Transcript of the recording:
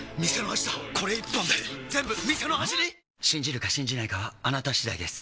信じるか信じないかはあなた次第です